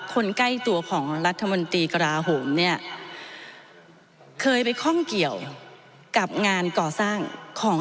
คนใกล้ตัวของรัฐมนตรีกระลาโหมเนี่ยเคยไปคล่องเกี่ยวกับงานก่อสร้างของ